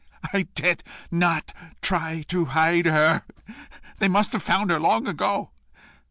I did not try to hide her; they must have found her long ago."